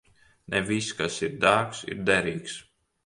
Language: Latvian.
Ne viss, kas ir dārgs, ir derīgs.